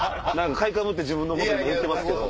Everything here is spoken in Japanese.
買いかぶって自分のこと言ってますけど。